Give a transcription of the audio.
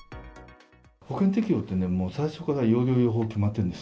保険適用ってね、最初から用量用法が決まってるんです。